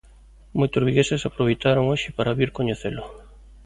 Moitos vigueses aproveitaron hoxe para vir coñecelo.